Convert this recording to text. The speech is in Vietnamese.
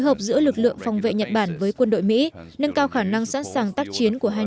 hợp giữa lực lượng phòng vệ nhật bản với quân đội mỹ nâng cao khả năng sẵn sàng tác chiến của hai